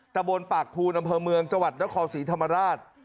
ตะบนปากภูนอำเภอเมืองจังหวัดนครศรีธรรมราช